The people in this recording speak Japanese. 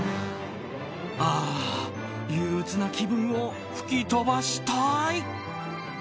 ああ、憂鬱な気分を吹き飛ばしたい！